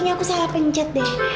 ini aku salah pencet